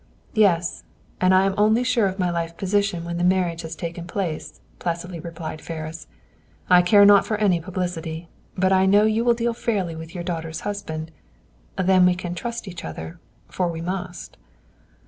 "Yes, and I am only sure of my life position when the marriage has taken place," placidly replied Ferris. "I care not for any publicity, but I know you will deal fairly with your daughter's husband. Then we can trust each other, for we must!"